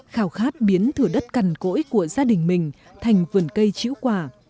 khảo khát biến thửa đất cằn cỗi của gia đình mình thành vườn cây chữ quả